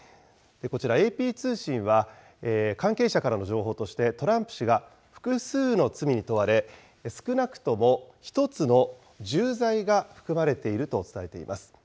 こちらＡＰ通信は、関係者からの情報として、トランプ氏が複数の罪に問われ、少なくとも１つの重罪が含まれていると伝えています。